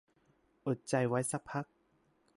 อดใจไว้สักพัก